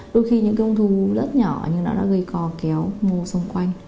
đôi khi những cái ung thư vú rất nhỏ nhưng nó đã gây co kéo mô xung quanh